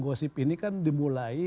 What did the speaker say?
gosip ini kan dimulai